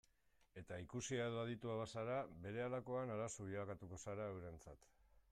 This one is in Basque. Eta ikusia edo aditua bazara, berehalakoan arazo bilakatuko zara eurentzat.